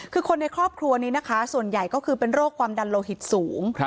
คือคนในครอบครัวนี้นะคะส่วนใหญ่ก็คือเป็นโรคความดันโลหิตสูง